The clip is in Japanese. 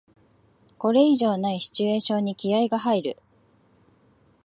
これ以上ないシチュエーションに気合いが入る